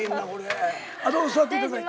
どうぞ座っていただいて。